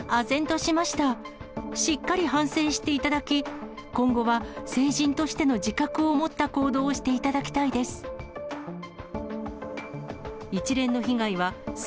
しっかり反省していただき、今後は成人としての自覚を持った行動をしていただきたいです。